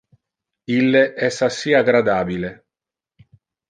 Ille es assi agradabile.